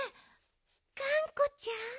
がんこちゃん。